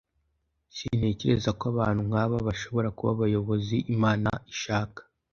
Sintekerezako abantu nkaba bashobora kuba abayobozi Imana ishaka.